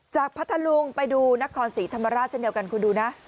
พัทธลุงไปดูนครศรีธรรมราชเช่นเดียวกันคุณดูนะ